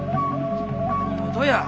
何事や？